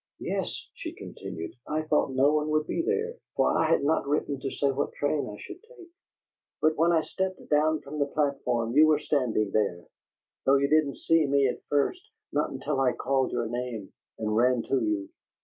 "Yes," she continued. "I thought no one would be there, for I had not written to say what train I should take, but when I stepped down from the platform, you were standing there; though you didn't see me at first, not until I had called your name and ran to you.